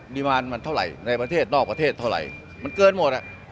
มีประมาณมันเท่าไหร่ในประเทศนอกประเทศเท่าไหร่มันเกินหมดอ่ะ